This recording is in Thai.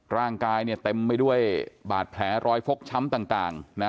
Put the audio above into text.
ร่างกายเนี่ยเต็มไปด้วยบาดแผลรอยฟกช้ำต่างนะ